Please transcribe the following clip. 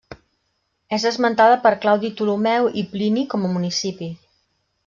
És esmentada per Claudi Ptolemeu i Plini com a municipi.